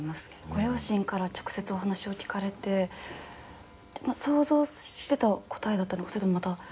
ご両親から直接お話を聞かれて想像してた答えだったのかそれともまた。